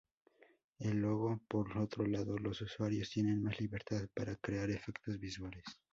En Logo, por otro lado, los usuarios tienen más libertad para crear efectos visuales.